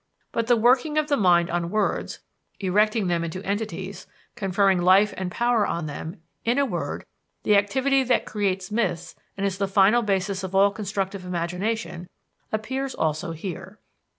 But the working of the mind on words, erecting them into entities, conferring life and power on them in a word, the activity that creates myths and is the final basis of all constructive imagination appears also here.